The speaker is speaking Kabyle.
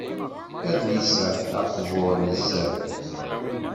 Adlis-a d aqbuṛ nezzeh.